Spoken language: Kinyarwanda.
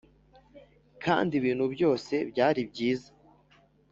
kandi ibintu byose byari byiza